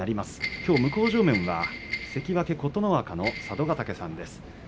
きょう向正面は関脇琴ノ若の佐渡ヶ嶽さんです。